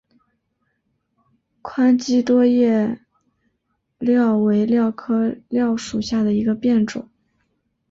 宽基多叶蓼为蓼科蓼属下的一个变种。